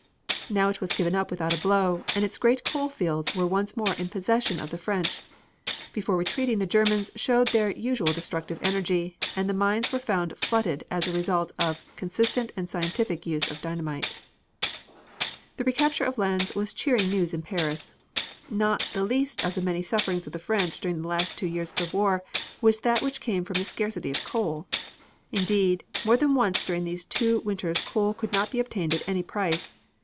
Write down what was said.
Now it was given up without a blow and its great coal fields were once more in possession of the French. Before retreating the Germans showed their usual destructive energy and the mines were found flooded as a result of consistent and scientific use of dynamite. The recapture of Lens was cheering news in Paris. Not the least of the many sufferings of the French during the last two years of the war was that which came from the scarcity of coal. Indeed, more than once during those two winters coal could not be obtained at any price.